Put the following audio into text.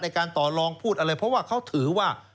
การต่อลองพูดอะไรเพราะว่าเขาถือว่า